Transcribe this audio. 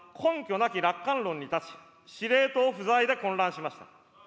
なき楽観論に立ち、司令塔不在で混乱しました。